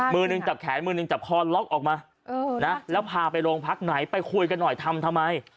มือหนึ่งจับแขนมือหนึ่งจับคอล็อกออกมาแล้วพาไปโรงพักไหนไปคุยกันหน่อยทำทำไม